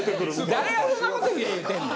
誰がそんな事言え言うてんねん。